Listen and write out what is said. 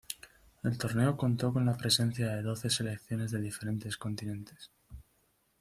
El torneo contó con la presencia de doce selecciones de diferentes continentes.